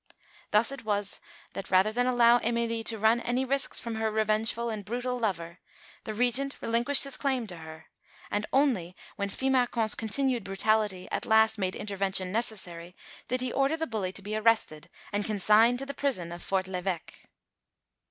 Thus it was that, rather than allow Emilie to run any risks from her revengeful and brutal lover, the Regent relinquished his claim to her; and only when Fimarcon's continued brutality at last made intervention necessary, did he order the bully to be arrested and consigned to the prison of Fort l'Évêque.